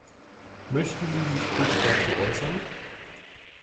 Möchten Sie sich dazu kurz äußern?